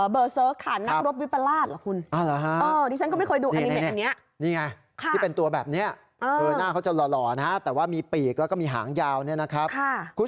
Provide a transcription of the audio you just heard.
เบอร์เสิร์ฟค่ะนักรบวิปราชเหรอคุณ